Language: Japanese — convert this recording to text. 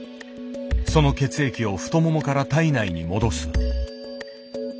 その血液を太ももから体内に戻す。